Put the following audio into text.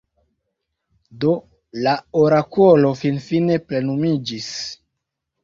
Do la orakolo finfine plenumiĝis.